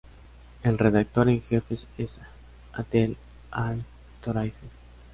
El redactor en jefe es Adel Al-Toraifi.